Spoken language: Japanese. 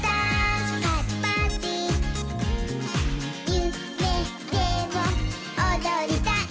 「ゆめでもおどりたい」